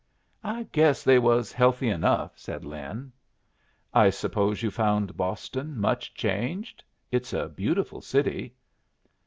"I guess they was healthy enough," said Lin. "I suppose you found Boston much changed? It's a beautiful city."